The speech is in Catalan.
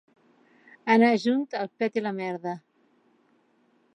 Anar junt el pet i la merda.